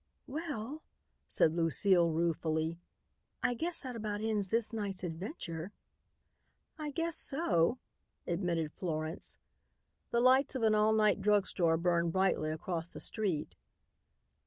"Well," said Lucile ruefully, "I guess that about ends this night's adventure." "I guess so," admitted Florence. The lights of an all night drug store burned brightly across the street.